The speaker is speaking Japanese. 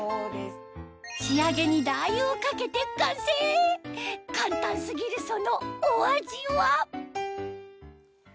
仕上げにラー油をかけて完成簡単過ぎるそのお味は？